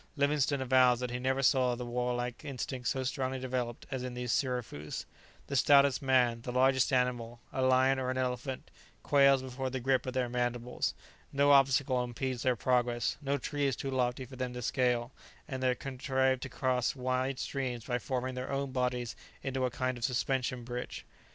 Livingstone avows that he never saw the warlike instinct so strongly developed as in these sirafoos; the stoutest man, the largest animal, a lion or an elephant, quails before the grip of their mandibles: no obstacle impedes their progress; no tree is too lofty for them to scale, and they contrive to cross wide streams by forming their own bodies into a kind of suspension bridge.